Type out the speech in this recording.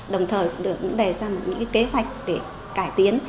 đồng thời đề ra những kế hoạch để cải tiến